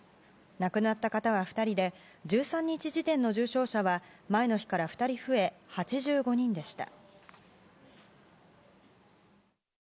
亡くなった方は２人で１３日時点の重症者は前の日から２人増え８５人でした。